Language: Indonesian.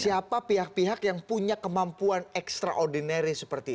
siapa pihak pihak yang punya kemampuan ekstraordinaris